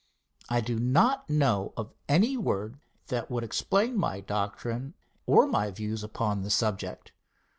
I do not know of any word that would explain my doctrine or my views upon the subject.